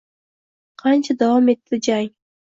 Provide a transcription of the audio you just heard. Qancha davom etdi jang